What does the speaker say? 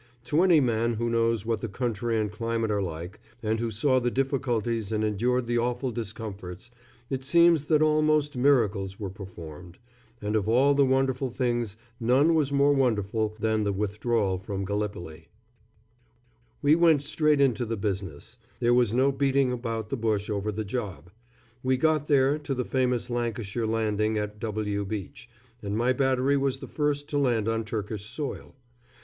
To any man who knows what the country and climate are like, and who saw the difficulties and endured the awful discomforts, it seems that almost miracles were performed; and of all the wonderful things none was more wonderful than the withdrawal from Gallipoli. [Illustration: To face p. 114. "W" BEACH, SHOWING CAPE HELLAS.] We went straight into the business. There was no beating about the bush over the job. We got there, to the famous Lancashire Landing at W Beach, and my battery was the first to land on Turkish soil.